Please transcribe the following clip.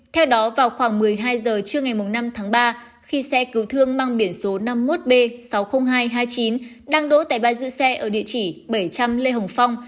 theo đó vào khoảng một mươi hai h trưa ngày năm tháng ba khi xe cứu thương mang biển số năm mươi một b sáu mươi nghìn hai trăm hai mươi chín đang đỗ tại bãi giữ xe ở địa chỉ bảy trăm linh lê hồng phong